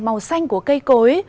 màu xanh của cây cối